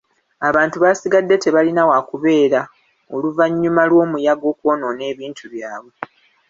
Abantu baasigadde tebalina waakubeera oluvannyuma lw'omuyaga okwonoona ebintu byabwe.